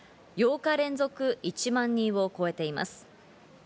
８日連続１万人を超えています。